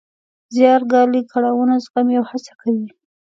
زیار ګالي، کړاوونه زغمي او هڅه کوي.